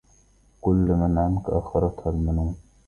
قل لمن عنك أخرتها المنون